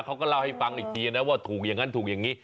เขาก็เล่าให้ฟังอีกทีนะว่าถูกอย่างนั้นถูกอย่างนี้